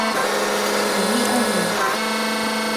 永历二年。